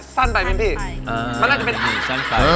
สั้นไปไหมพี่มันน่าจะเป็นผีสั้นไป